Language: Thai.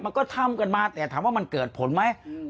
มันก็ทำกันมาแต่ถามว่ามันเกิดผลไหม